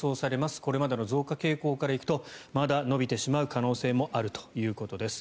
これまでの増加傾向から行くとまだ伸びてしまう可能性もあるということです。